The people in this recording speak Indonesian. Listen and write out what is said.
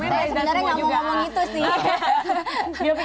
sebenarnya nggak mau ngomong itu sih